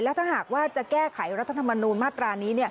ถ้าหากว่าจะแก้ไขรัฐธรรมนูญมาตรานี้